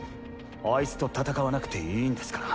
あいつと戦わなくていいんですから。